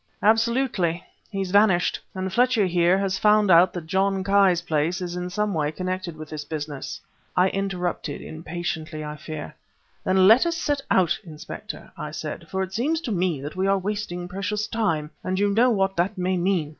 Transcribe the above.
"Absolutely! He's vanished! And Fletcher here has found out that John Ki's place is in some way connected with this business." I interrupted impatiently, I fear. "Then let us set out, Inspector," I said, "for it seems to me that we are wasting precious time and you know what that may mean."